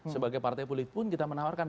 sebagai partai politik pun kita menawarkan